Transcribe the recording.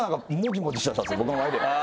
僕の前で。